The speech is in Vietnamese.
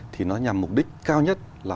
thì nó nhằm mục đích cao nhất là